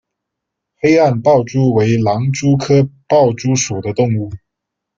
黑暗豹蛛为狼蛛科豹蛛属的动物。